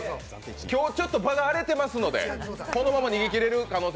今日ちょっと場が荒れてますのでこのまま逃げ切れる可能性